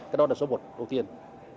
cái đó là số một đầu tiên